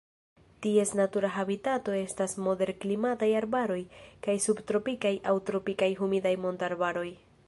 Ties natura habitato estas moderklimataj arbaroj kaj subtropikaj aŭ tropikaj humidaj montararbaroj.